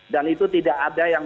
dan itu tidak ada yang